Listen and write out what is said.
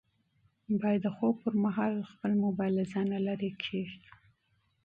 باید د خوب پر مهال خپل موبایل له ځانه لیرې کېږدو.